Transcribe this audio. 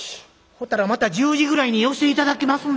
ほったらまた１０時ぐらいに寄して頂きますんで」。